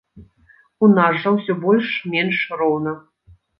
У нас жа ўсё больш менш роўна.